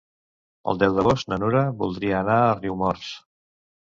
El deu d'agost na Nura voldria anar a Riumors.